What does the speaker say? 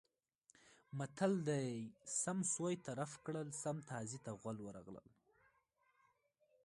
متل دی: سم سوی طرف کړل سم تازي ته غول ورغلل.